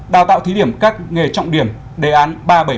năm đào tạo thí điểm các nghề trọng điểm đề án ba trăm bảy mươi một